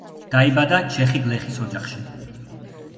დაიბადა ჩეხი გლეხის ოჯახში.